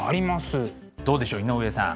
どうでしょう井上さん